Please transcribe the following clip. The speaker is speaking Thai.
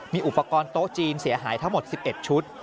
มีอุปกรณ์โต๊ะจีนเสียหายทั้งหมด๑๑ชุด